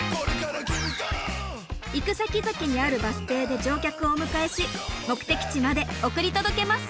行くさきざきにあるバス停で乗客をお迎えし目的地まで送り届けます！